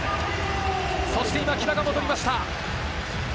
そして今、木田が戻りました。